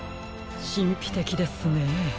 しんぴてきですね。